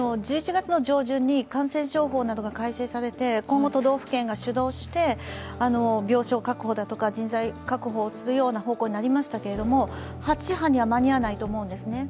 １１月の上旬に感染症法などが改正されて今後、都道府県が主導して病床確保だとか人材確保をするような方向になりましたけれども、８波には間に合わないと思うんですね。